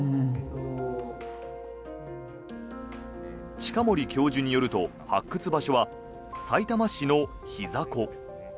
近森教授によると発掘場所はさいたま市の膝子。